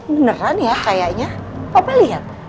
beneran ya kayaknya papa lihat